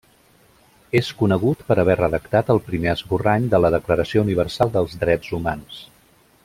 És conegut per haver redactat el primer esborrany de la Declaració Universal dels Drets Humans.